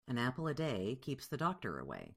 An apple a day keeps the doctor away.